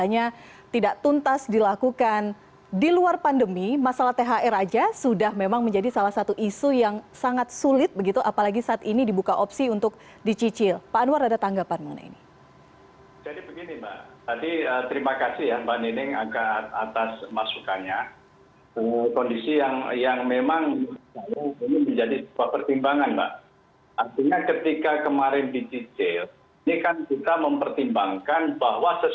yang ada adalah selalu yang disampaikan setihak